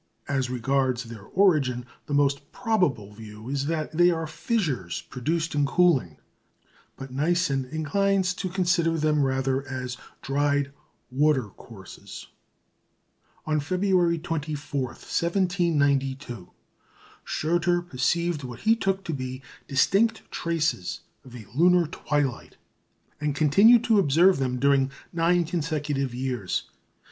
As regards their origin, the most probable view is that they are fissures produced in cooling; but Neison inclines to consider them rather as dried watercourses. On February 24, 1792, Schröter perceived what he took to be distinct traces of a lunar twilight, and continued to observe them during nine consecutive years.